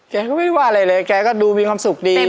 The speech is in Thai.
แกก็ไม่ว่าอะไรเลยแกก็ดูมีความสุขดี